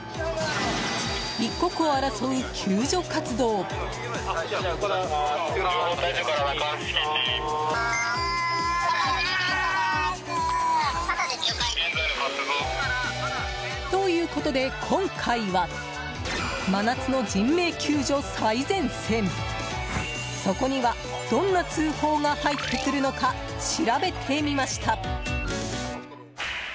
一刻を争う救助活動。ということで、今回は真夏の人命救助最前線そこには、どんな通報が入ってくるのか調べてみました。